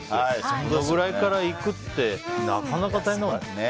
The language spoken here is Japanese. それくらいから行くってなかなか大変だよね。